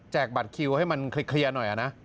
บัตรคิวให้มันเคลียร์หน่อยนะ